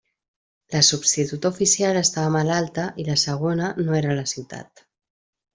La substituta oficial estava malalta i la segona no era a la ciutat.